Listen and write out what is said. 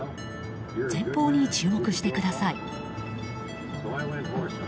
前方に注目してください。